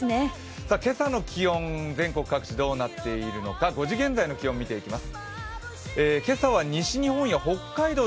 今朝の気温、全国各地どうなっているのか５時現在の気温を見ていきます。